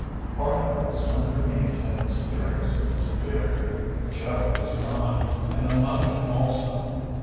part of my slender means had mysteriously disappeared. Joe was gone, and the money also.